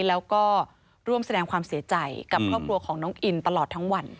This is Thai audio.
แล้วก็ร่วมแสดงความเสียใจกับครอบครัวของน้องอินตลอดทั้งวัน